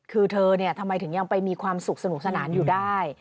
คือเธอทำไมถึงยังไปมีความสุขสนุกสนานอยู่ได้